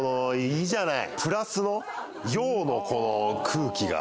いいじゃない。